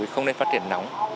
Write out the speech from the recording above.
không nên phát triển nóng